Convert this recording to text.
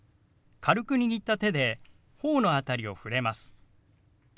軽く握った手で頬の辺りを触れます。